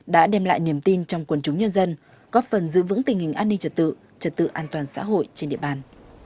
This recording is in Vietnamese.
đã đem lại niềm tin trong quần chúng nhân dân góp phần giữ vững tình hình an ninh trật tự trật tự an toàn xã hội trên địa bàn